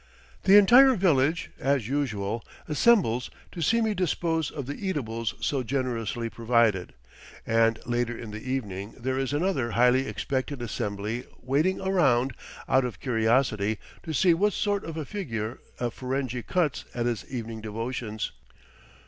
The entire village, as usual, assembles to see me dispose of the eatables so generously provided; and later in the evening there is another highly expectant assembly waiting around, out of curiosity, to see what sort of a figure a Ferenghi cuts at his evening devotions.